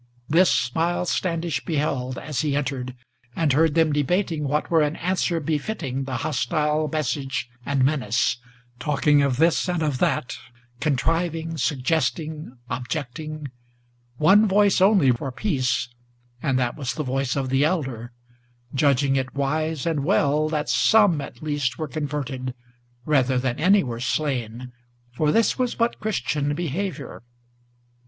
This Miles Standish beheld, as he entered, and heard them debating What were an answer befitting the hostile message and menace, Talking of this and of that, contriving, suggesting, objecting; One voice only for peace, and that the voice of the Elder, Judging it wise and well that some at least were converted, Rather than any were slain, for this was but Christian behavior!